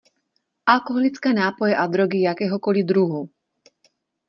Alkoholické nápoje a drogy jakéhokoli druhu.